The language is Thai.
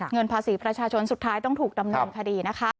เงินภาษีประชาชนสุดท้ายต้องถูกดำเนินคดีนะคะ